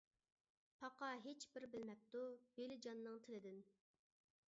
پاقا ھېچ بىر بىلمەپتۇ، بېلىجاننىڭ تىلىدىن.